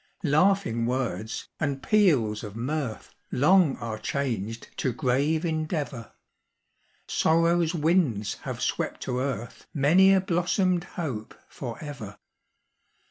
"Laughing words and peals of mirth, Long are changed to grave endeavor; Sorrow's winds have swept to earth Many a blossomed hope forever.